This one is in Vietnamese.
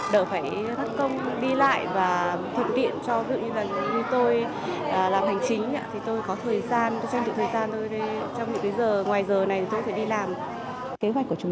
đỡ phải thất công đi lại và thực hiện cho những người như tôi làm hành chính